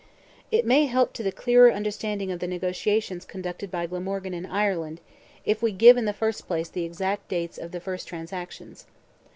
It may help to the clearer understanding of the negotiations conducted by Glamorgan in Ireland, if we give in the first place the exact dates of the first transactions.